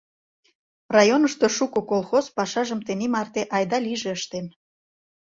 Районышто шуко колхоз пашажым тений марте «айда-лийже» ыштен.